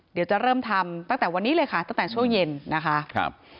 เดี๋ยวจะเริ่มทำตั้งแต่วันนี้เลยค่ะตั้งแต่ช่วงเย็นนะคะครับ